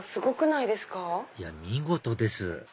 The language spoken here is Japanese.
いや見事です